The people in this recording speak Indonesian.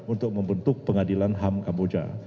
untuk membentuk pengadilan ham kamboja